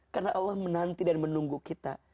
karena allah menanti dan menunggu kita